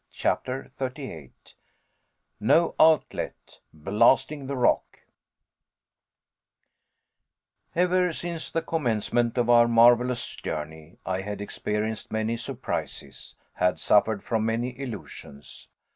CHAPTER 38 NO OUTLET BLASTING THE ROCK Ever since the commencement of our marvelous journey, I had experienced many surprises, had suffered from many illusions.